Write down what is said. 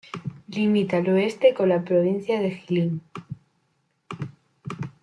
Limita al oeste con la provincia de Jilin.